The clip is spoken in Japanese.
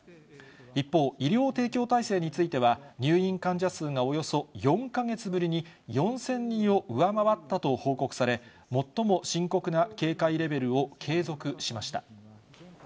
一方、医療提供体制については、入院患者数がおよそ４か月ぶりに４０００人を上回ったと報告され、最も深刻な警戒レベルを継続しました。